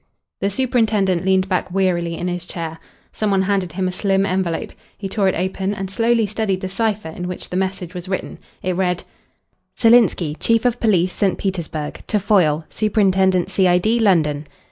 The superintendent leaned back wearily in his chair. Some one handed him a slim envelope. He tore it open and slowly studied the cipher in which the message was written. It read "Silinsky, Chief of Police, St. Petersburg. To Foyle, Superintendent C.I.D., London.